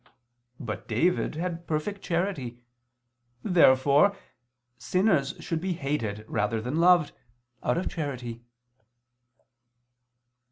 But David had perfect charity. Therefore sinners should be hated rather than loved, out of charity.